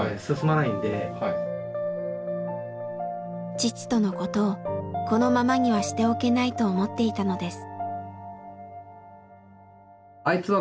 父とのことをこのままにはしておけないと思っていたのです。